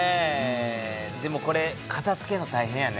でもこれかたづけるの大変やね。